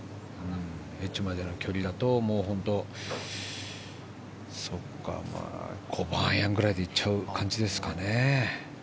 エッジまでの距離だと５番アイアンぐらいで行く感じですかね。